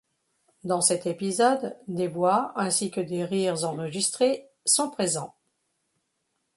Dans cet épisode, des voix ainsi que des rires enregistrés sont présents.